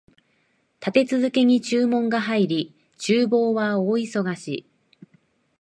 立て続けに注文が入り、厨房は大忙し